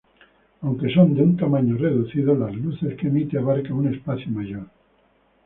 Aunque son de un tamaño reducido, las luces que emite abarca un espacio mayor.